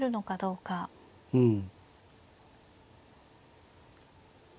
うん。